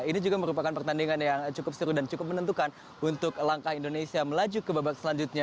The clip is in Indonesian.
ini juga merupakan pertandingan yang cukup seru dan cukup menentukan untuk langkah indonesia melaju ke babak selanjutnya